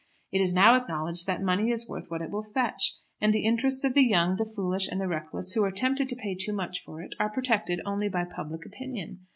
It is now acknowledged that money is worth what it will fetch; and the interests of the young, the foolish, and the reckless, who are tempted to pay too much for it, are protected only by public opinion.